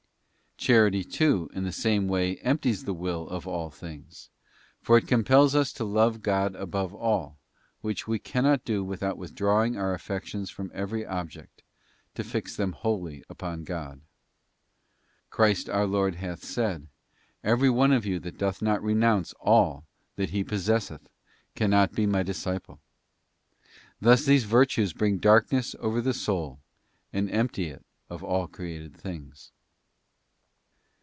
Charity, too, in the same way empties the will of all things, for it compels us to love God above all, which we cannot do without withdrawing our affections from every object, to fix them wholly upon God. Christ our Lord hath said, ' Every one of you that doth not renounce all that he possesseth cannot be My disciple.'t Thus these virtues bring darkness over the soul, and empty it of all created things.